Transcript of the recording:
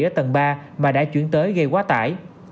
ở tầng ba mà đã chuyển tới gây quá tải